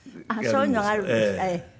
そういうのがあるんです？